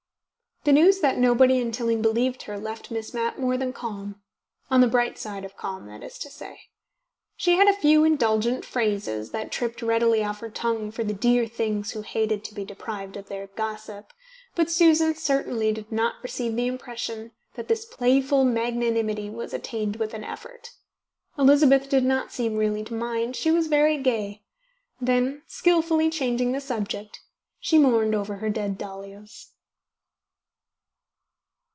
The news that nobody in Tilling believed her left Miss Mapp more than calm, on the bright side of calm, that is to say. She had a few indulgent phrases that tripped readily off her tongue for the dear things who hated to be deprived of their gossip, but Susan certainly did not receive the impression that this playful magnanimity was attained with an effort. Elizabeth did not seem really to mind: she was very gay. Then, skilfully changing the subject, she mourned over her dead dahlias.